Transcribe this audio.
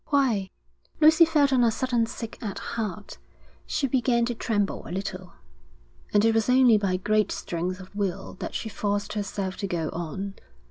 'Why?' Lucy felt on a sudden sick at heart. She began to tremble a little, and it was only by great strength of will that she forced herself to go on.